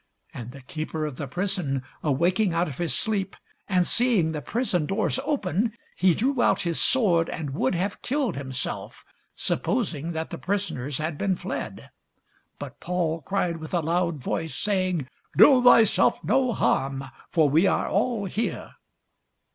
And the keeper of the prison awaking out of his sleep, and seeing the prison doors open, he drew out his sword, and would have killed himself, supposing that the prisoners had been fled. But Paul cried with a loud voice, saying, Do thyself no harm: for we are all here.